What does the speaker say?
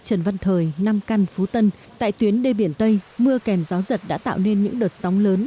trần văn thời nam căn phú tân tại tuyến đê biển tây mưa kèm gió giật đã tạo nên những đợt sóng lớn